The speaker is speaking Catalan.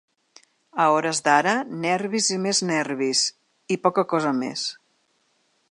A hores d’ara, nervis i més nervis… i poca cosa més.